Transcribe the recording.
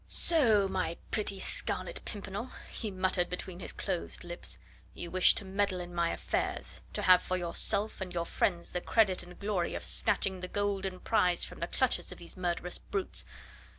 "So, my pretty Scarlet Pimpernel," he muttered between his closed lips, "you wish to meddle in my affairs, to have for yourself and your friends the credit and glory of snatching the golden prize from the clutches of these murderous brutes.